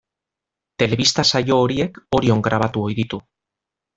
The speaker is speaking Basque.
Telebista saio horiek Orion grabatu ohi ditu.